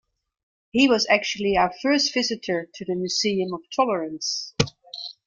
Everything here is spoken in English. He was actually our first visitor to the Museum of Tolerance.